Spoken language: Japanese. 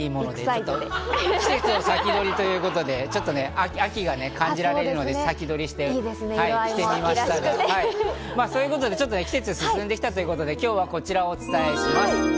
季節を先取りということでね、ちょっと秋が感じられるので、先取りして着てきましたが、季節が進んできたということで今日はこちらをお伝えします。